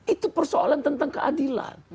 itu persoalan tentang keadilan